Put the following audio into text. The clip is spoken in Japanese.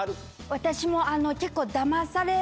私も。